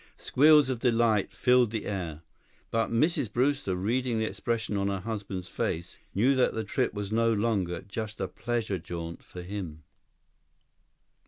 Squeals of delight filled the air. But Mrs. Brewster, reading the expression on her husband's face, knew that the trip was no longer just a pleasure jaunt for him.